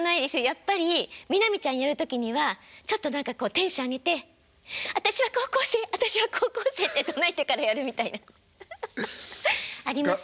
やっぱり南ちゃんやる時にはちょっと何かこうテンション上げて「私は高校生私は高校生」って唱えてからやるみたいな。ありますよ。